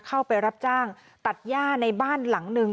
เข้าไปรับจ้างตัดย่าในบ้านหลังหนึ่ง